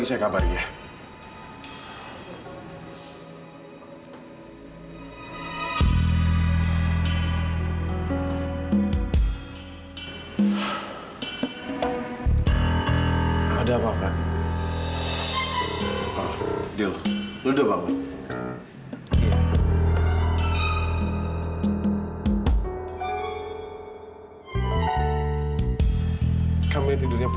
sampai jumpa di video selanjutnya